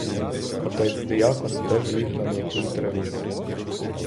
Отець диякон теж ліг на м'якій траві.